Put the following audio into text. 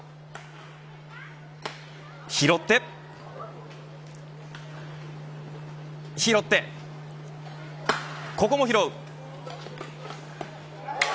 拾って拾ってここも拾う。